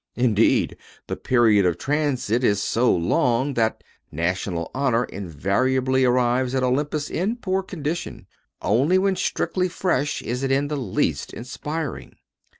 Indeed, the period of transit is so long that national honor invariably arrives at Olympus in poor condition. Only when strictly fresh is it in the least inspiring.